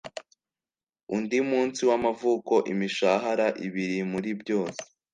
undi munsi w'amavuko - imishahara ibiri muri byose-